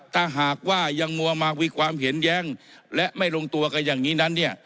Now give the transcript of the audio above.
ถ้าหากว่ายังมัวมามีความเห็นแย้งและไม่ลงตัวกันอย่างนี้นั้นเนี่ย